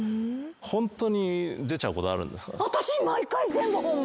ホントに出ちゃうことあるんですか？